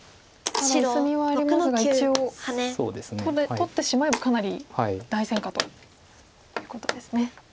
まだ薄みはありますが一応取ってしまえばかなり大戦果ということですね。